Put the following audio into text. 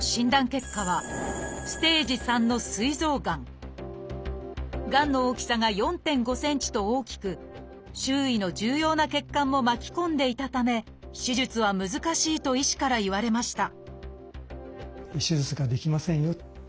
結果はがんの大きさが４．５ｃｍと大きく周囲の重要な血管も巻き込んでいたため手術は難しいと医師から言われました